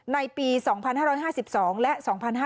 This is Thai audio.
ในปี๒๕๕๒และ๒๕๕๙